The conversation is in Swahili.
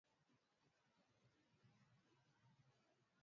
ya idhaa ya Kiswahili shirika la habari la Uingereza Mbali na tuzo hizo kuna